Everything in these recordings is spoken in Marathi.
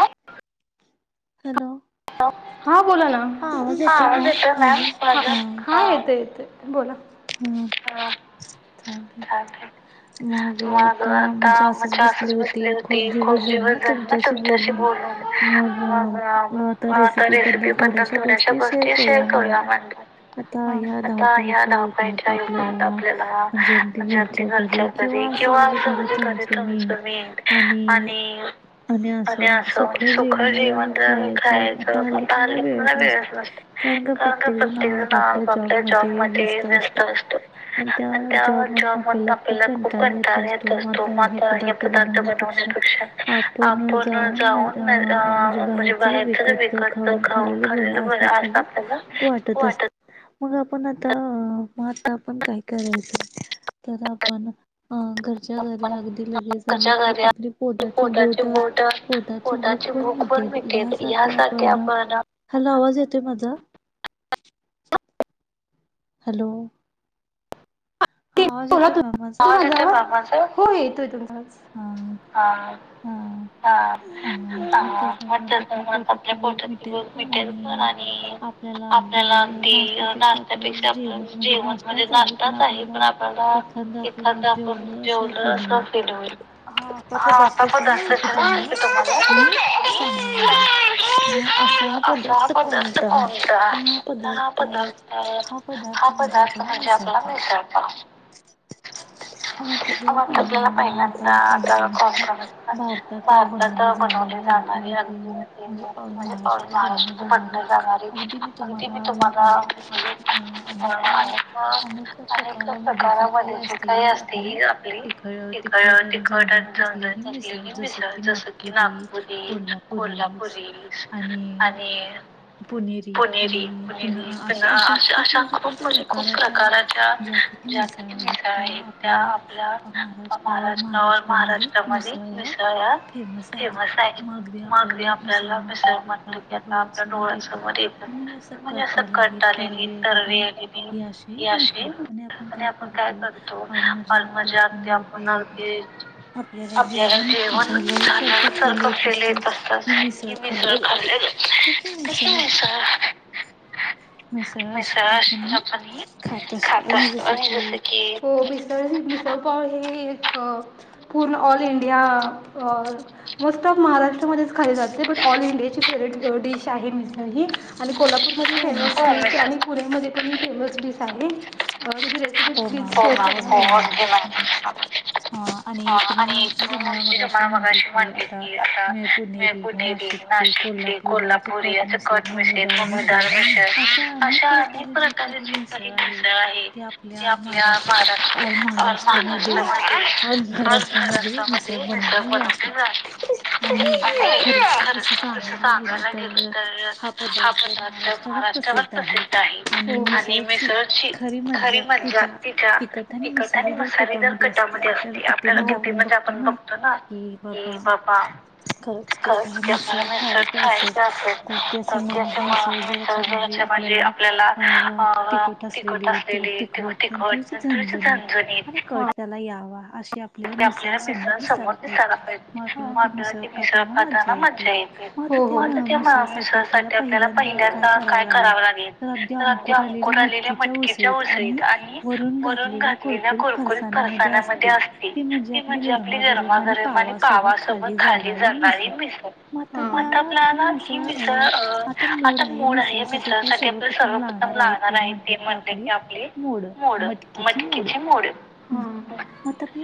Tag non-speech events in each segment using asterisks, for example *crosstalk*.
*inaudible* हॅलो. हा हा बोला ना, आवाज येतोय मॅम माझा हा येतोय येतोय. बोला *inaudible* हा. चालतंय. *inaudible* मग आता म्हणजे असंच बसले होती खूप दिवस झाले ना तुमच्याशी बोलून. मग. आ रेसिपी बद्दल थोड्याश्या गोष्टी शेअर करूया म्हटल आता या धावपळीत च्या युगात आपल्याला म्हणजे अगदी घरच्या घरी किंवा असं म्हणजे घरी तुमच नीट आणि अस म्हणजे सुख जेवण जर खाल्ले आता हल्ले मला वेळच नसत कारण का प्रत्येक जण आपापल्या जॉबमध्ये व्य स्त असतो आणि त्या जॉबमधुन आपल्याला खूप कंटाळा येत असतो म अता पदार्थ बनवन्यापेक्षा आपण जाऊन अ म्हणजे बाहेरच विकतच खाऊन खाल्लेलं बर असं आपल्याला वाटत असत. मग आपण आता मग आता आपण काय करायचं? तर आपण अ घरच्या घरी अगदी लगेच आणि आपली पोटाचे बोट, पोटाची भुक पन मीठीत हया साठी आपण, हॅलो आवाज ये तोय माझा हॅलो. आवाज येतो का माझा हो येतो येतो. आज *inaudible* आ हा हा म *unintelligible* पोटात मिठेल पन आणि आपल्याला अगदी नाष्टया पेक्षा आपलं जेवण म्हणजे नाष्टा च आहे पण पण आपल्या *unintelligible* एखाद आपण जेवल तर हा अता तर *unintelligible* तुम्हाला *inaudible* असा पदार्थ कोणता? अता हा पदार्थ आहे पदार्थ म्हणजे आपला मिसळ *inaudible* आता आपल्याला पहिल्यांदा पहिल्यांदा आता कोणकण भारतात बनवली जाणारी अगदी म्हणजे ऑल महाराष्ट्र बनल जाणारे अगदी मी तुम्हाला म्हणजे अ एक अं आणेक अनेक प्रकारमध्ये जी काही असते ही आपली त-तीखट आणि झनझनीत असलेली मिसळ जस की नागपुरी, कोल्हापुरी आणी पुनेरी, पुनेरी पण अशा आशा खूप म्हणजे खूप प्रकाराच्या ज्या काही मिसळ आहेत त्या आपल्या महाराष्ट्रावर महाराष्ट्रामध्ये मिसळ मिसळ अ केव्हातरी मग बी आपल्याला मिसळ म्हटली आता आप डोळ्या समोर येतात म्हणजे असं कट आलेली तररी आलेली ही अशी आणि आपण काय करतो आलमझ्या ते आपन आगदी आपल्याला जेवण खान्यासारख फिल येत असतात कि मिसर खाले कशी हायसा ओ? मिसळ अशी चमचमीत खात. आम्ही घेतो की हो मिसळ ही मिसळ पाव पाव ही अं पूर्ण ऑल इंडिया अ नुसतच महाराष्ट्रामध्येच खाल्ली जाते बट ऑल इंडियाची फे वरेट डीश आहे मिसळ ही आणी कोल्हापूर मध्ये फेमस आहे आणि पुणे मध्ये पण फेमस डिश आहे. *unintelligible* अं आणि तु म्हणशील तुम्हाला मगाशी म्हटलीस की आता पुणे नाशिकची कोल्हापुरी कटमशे भूमीधारशर अशा अनेक प्रकार *unintelligible* आपल्या महाराष्ट ऑल महाराष्ट्रामध्ये ऑल महाराष्ट्रामध्ये मिसळ ब आझुन राती आणि खरच तस सांगायला गेल तर हा पदार्थ महाराष्ट्रा प्रसिद्ध आहे आणि मिसळची खरी मज्जा आमटीच्या तिखट आणि मसालेदार कटामध्ये असते आपल्याला मु मध्ये आपल्याला बघतो ना. की पापा खरच की आपल्याला मिसळ खायच असेल तर त्याच्या मुळ म्हणजे आपल्याला अं तिखट आ तिखट थोडीशी झणझणीत आणि कट त्याला यावा. की आपल्याला मिसळ समोर दिसायला पाहिजे मग आपल्याला ते मिसळ खाताना मज्जा येते. हो हो मग ते मिसळ साठी आपल्याला पहिल्यांदा काय करावं लागेल तर अंकुर आलेल्या मटकी च्या सळीत आणि वरून घातलेल्या कुरकुरीत फरसानामध्ये असती. ती म्हणजे आपली गरमागरम आणि पावासोबत खाली जाणारी मिसळ आ आपल्याला ही मिसळ अ आता मोड आहे मिसळसाठी आपल्या सर्वप्रथम लागणार आहेत. ते म्हणतेत ते आपले मोड मटकीचे मोड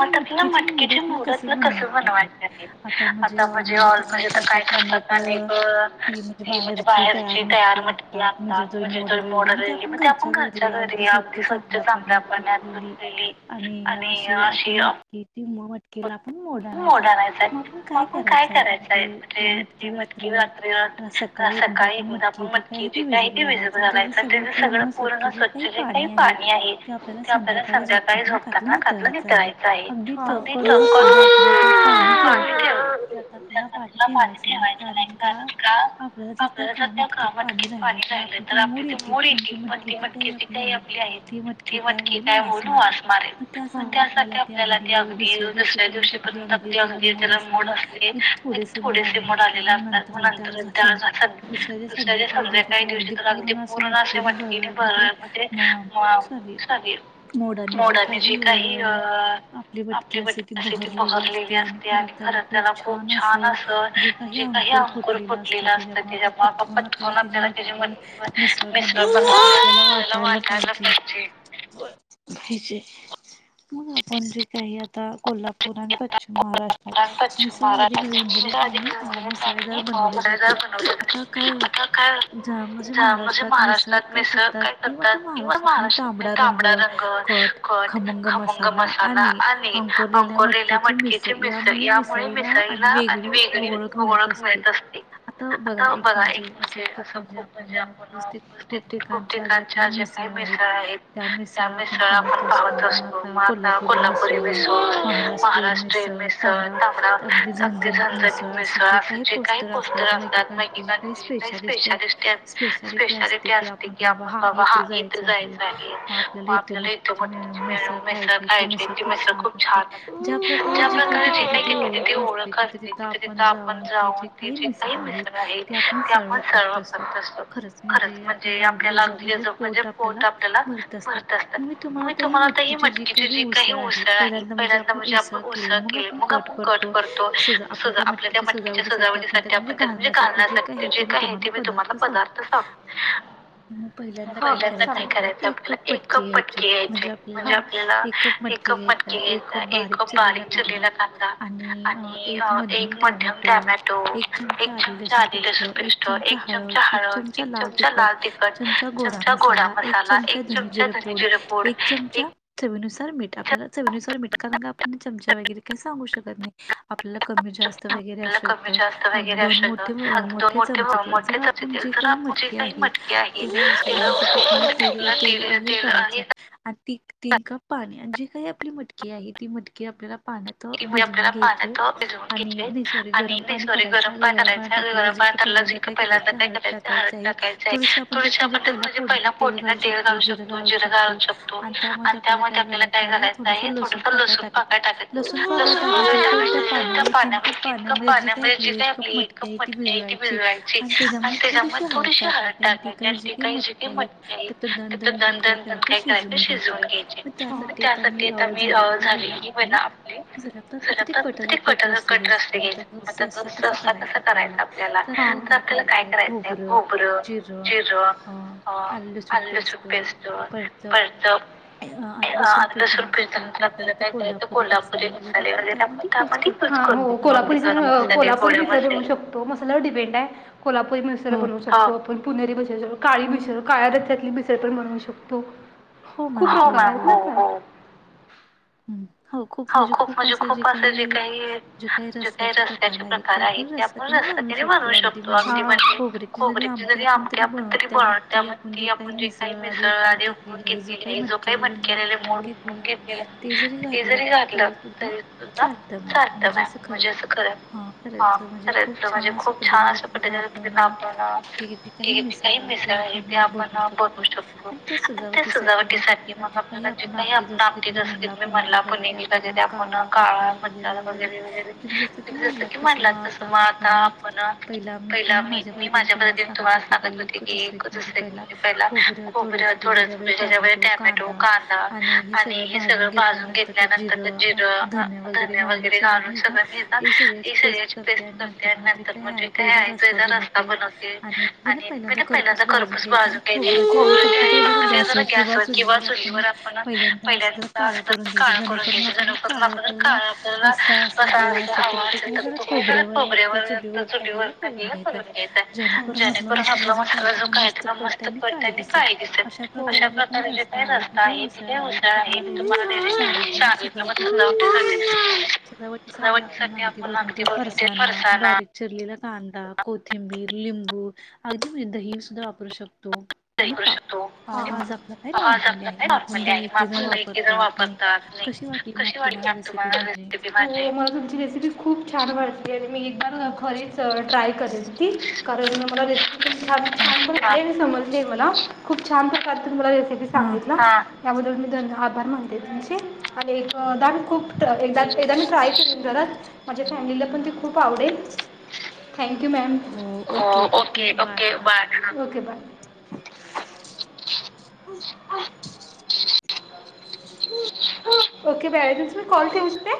मग ततल मटकीेच्या मुहरतलं कस बनवायच ते आता म्हणजे ऑल म्हणजे आता काय करता त असानिप ती म्हणजे बाहेरची तयार मटकी असतात म्हणजे त मोड आलेली त्या पण घरच्या घरी आप चांगल्या पाण्यात धुतलेली आणि अशी आपण मटकी ती म मटकी ला आणि मोड आणायचय मग आपूण काय करायचंय म्हणजे ती मटकी रात्री रात्री अस आ सकाळी एकदा आपण मटकीे जे काय आहे ते विजत घालायचं ते ज सगळं पूर्ण स्वच्छ जे काही पाणी आहे ते आपल्याला संध्याकाळी झोपताना त्यातलं नितळायाचं आहे अगदी चौको पाठी ठेव ते आता त्याला पानी ठेवायचं नाही कारण का आपल्या जर त्या मटकीत पाणी राहिलं तर आपली ते मोड येतील पण ती मटकीची जी काही आपली आहे त्याहित ती मटकी काय मोलू वास मारेल त्यासाठी आपल्याला आधी अगदी योजस अगतात की अगदी त्याला मोड असली आणि थोडेसे मोड आलेले असतात मग नंतर त्या जा त दुसऱ्या दिवस संध्याकाळी काही दिवशी तर अगदी पूर्ण असे मटकीने भर म्हणजे म सॉरी मोडाने जी काही अ आपली पटके असे. अशी ती बहरलेली असते आणि खर त्याला खूप छान असं जे काही अंकुर फुट असत त्या मापपत कोणाकडे जे पाहिजे मग आपण जे काही आ त कोल्हापूर आणि पश्चिम महाराष्ट्र मिसळ अधिक आणि मसालेदार बनवले जाते आता काय? जा म्हणजे महाराष्ट्रात मिेसळ काय करतात किंवा त महाराष्ट्रात तांबडा रंग कट खमंग मसाला आणि अंकोर लेल्या मटकेची मिसळ यामुळे मिसळीला आणि वेगळी ओळख मिळत असते. आता बघा एक म्हणजे असं खूप म्हणजे आपण व्यवस्थित खूप ठिकाणच्या जे त्या जे काही मिसळ आहेत त्या मिसळ आपण पाहत असतो मग आता कोल्हापुरी मिसळ महाराष्ट्रियन मिसळ त तांबडा अगदी झनझणीत मिसळ असं जे काही पोस्टर असतात नक्की कही स्पेशालिस्ट त्यात स्पेशालिटी असते की आपण बाबा इथे जायचं आहे मग आपल्याला इथ मटकीची मिळ मिसळ खायची ती मिसळ खूप छान् न असते. त्या बर काळजी घ्यायची की तिथे ओळख असते तिथे तिथे आपण जाऊन ती जी काही मिसळ आहे. ती आपण सर्व करत असतो खरच म्हणजे आपल्याला घे जो म्हणजे पोट आपल्याला भरत असतात म मी तुम्हाला आता ही मटकीची जी काही उसळ आहे. पहिल्यांद म्हणजे आपण उसत, कापून कट करतो. सज आपल्या त्या मटकीच्या सजावटी साठी, आपण त्यात म्हणजे घालण्यासाठी जे काय हे हेल्प जे काय आहे ते, मी तुम्हाला पदार्थ सांग मग पहिल्यांदा, पहिल्यांदा काय करायचं, आपल्याला एक कप मटकी घ्यायचे म्हणजे, आपल्याला एक कप मटकी घ्यायची. एक कप बारीक, कांदा आणि अ एक मध्यम टॊमॅटो एक चमचा आले लसूण पेस्ट, एक चमचा हळद, एक चमचा लाल तिखट, चमचा गोडा, मसाला, एक चमचा धनेजिरे पूड, एक चमचा चवीनुसा तर मीठ आपल्याला चवीनुसार मीठ, कारण का आपुण चमचा वगैरे काही सांगू शकत नाही. आपल्याला, कमी जास्त वगैरे आशेल तर, आ गं दोन मोठे अ मोठे चमचे तेल जर आपण जे काही, मटकी आहे. तेल *unintelligible* तेल आणि करायच, तीक तीन कप पाणी आणि जी काही आपली मटकी आहे ती मटकी आपल्याला पाण्यात भिजवून घ्यायचे, आणि सॉरी गरम पाणी करायचं आहे गरम पाण्यात आपल्याला जे, त पहिल्यांदा काय करायचं हळद टाकायच आहे. थोडीशी आपण त्यात म्हणजे, पहिला पोडणीला तेल घालू शकतो. जिरं घालू शकतो आणि त्यामध्ये आपल्याला काय घालायचं आहे थोडस थोडसं लसुण पाकळ्या टाका लसून द पाण्या तीन कप पाण्यामध्ये जी का आपली एक कप मटकी आहे ती भी *unintelligible* ठेवायची आणि त्याच्यामध्ये थोडीशी हळद टाकायची आणि *unintelligible* मटकी आहेत तेथून दन दन दन काय करायचं शिजून घ्यायची हम्म त्यासाठी तर मी अ झाले की बन *unintelligible* अप्पे क कट रस्ते घ्यायच म त्या रस्ता कसा करायचा आपल्याला तर तर आपल्याला काय करायचंय खोबरं, जीर आ हा आलं लसूण पेस्ट परत अ लसून पिजल्यानंतर आपल्याला काय करायचं कोल्हापुरी *unintelligible* आपण ती पण करू शकतो कोल्हापुरी कोल्हापुरी पण करू शकतो मसाला *unintelligible* हाय कोल्हापुरी मिसळ बनवू शकतो आपण पुणेरी *unintelligible* काळी मिसळ काळ्या रस्यातली मिसळ पण बनवू शकतो खूप *unintelligible* आहे खूप खूप हो हो हम्म हो खूप म्हणजे खूप असे जे काही जे काही रस्त्याचे प्रकार आहेत ते आपण रस्त्या *unintelligible* म्हणू शकतो अगदी म्हणजे खोबरीची जरी आमटी आपण कधी बनवलो त्यामुळे ती आपण जे काही मिसळ आधी उकडून घेतलेले आहे, जो काही मटकी ला आलेला मोड उकडून घेतलेला हाय. ते जरी घात ते जरी घातलं तरी तु चात मॅम म्हणजे अस खर हा खरच म्हणजे खूप छान असा पद्धतीने की आपण काही मिसळ आहे ते आपण आणि त्या सजावटीसाठी मग आपला जे काही आपण आमटी ती जस की तुम्ही म्हणला पु मजे आपण काळा मसाला वगैरे वगैरे तुम्ही जस की, म्हणला तस मग आता आपण पहिला मी मी माझ्या पद्धतीने तुम्हाला सांगत होते की जस की मी पहिला खोबरं थोडंस म्हणजे त्याच्यामध्ये टॅमॅटो, कांदा आणि हे सगळं भाजून घेतल्यानंतर त्या नंतरन जिरं, धन वगैरे घालून सगळं मी ना ही सगळ्याची पेस्ट करते आणि नंतर म्हणजे काय आहे तु रस्ता बनवते आणि म्हण पहिल्यांद खरपूस बाजू घ्यायची. *unintelligible* गॅसवर किंवा चुलीवर आपण पहिल्यांदा अस हे करून आपल्याला जर काळा आपल्याला रस्सा अस हवा असेल तर तो पण जरा खोबऱ्यावर फक्त चुलीवर टाकलेला तळून घ्यायचा जेणेकरून आपला मसाला जो काय आहे मस्त कट तेन काही दिसत अशा प्रकारचे काय रस्ता आहे तिथे उसळ आहे तिथे *unintelligible* सांगितलं मग सजावटीसाठी सजावटीसाठी आपण अगदी भरून ते फरसाना बारीक चिरलेला कांदा, कोथिंबीर, लिंबू अगदी म्हणजे दही सुद्धा वापरू शकतो. तो आणि पाव पाव हा जो आपला काय नॉर्मली आहे मग आपण द एकी जण वापरतात. *unintelligible* कशी वाटली तुम्हाला रेसिपी माझी हो हो मला तुमची रेसिपी खूप छान वाटली. मी एक बार खरीच ट्राय करेल ती कारण मला रेसिपी पन छान छान पण वाट ली मला खूप छान प्रकारे तुम्ही मला रेसिपी सांगितला हा. याबद्दल मी धन्यवाद आभार मानते तुमचे आणि खूपदा एकदा एकदा मी ट्राय करेन माझ्या फॅमिलीला पण ती खूप आवडेल थँक्यू ओके मॅम हो okay okay bye okay bye. Hmm okay बॅरस मी कॉल ठेऊचते